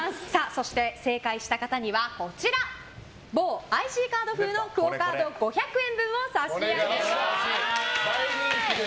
そして、正解した方には某ＩＣカード風のＱＵＯカード５００円分を差し上げます。